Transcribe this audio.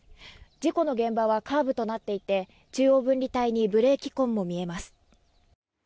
事故の現場はカーブとなっていて中央分離帯にブレーキ痕も見えます。